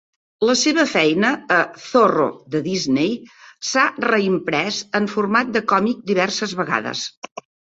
La seva feina a "Zorro" de Disney s'ha reimprès en format de còmic diverses vegades.